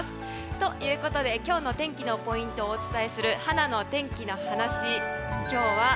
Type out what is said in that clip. ということで今日の天気のポイントをお伝えするはなの天気のはなし。